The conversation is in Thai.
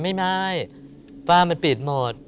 ไม่ฝ้ามันปิดหมด